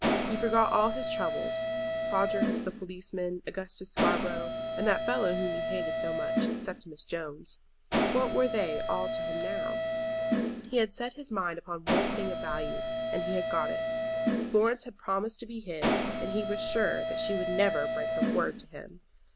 He forgot all his troubles. Prodgers, the policeman, Augustus Scarborough, and that fellow whom he hated so much, Septimus Jones; what were they all to him now? He had set his mind upon one thing of value, and he had got it. Florence had promised to be his, and he was sure that she would never break her word to him.